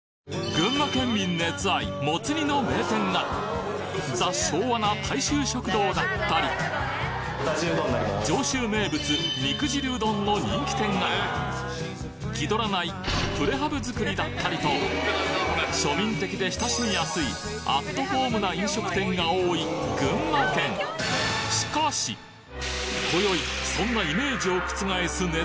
群馬県民熱愛もつ煮の名店がザ・昭和な大衆食堂だったり上州名物肉汁うどんの人気店が気取らないプレハブ造りだったりと庶民的で親しみやすいアットホームな飲食店が多い群馬県今宵そんな見参！